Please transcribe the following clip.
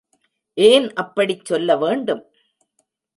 ஏன் அப்படிச் சொல்ல வேண்டும்?